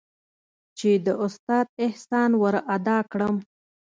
چې د استاد احسان ورادا كړم.